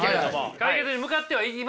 解決に向かってはいますけど。